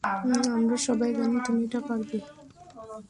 আমরা সবাই জানি তুমি এটা পারবে।